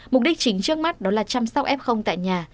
mục đích chính trước mắt đó là chăm sóc f tại nhà